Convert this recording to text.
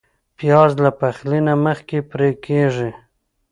پیاز له پخلي نه مخکې پرې کېږي